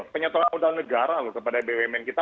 penyetelan modal negara kepada bumn kita